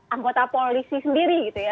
angkota polisi yang berada di rumah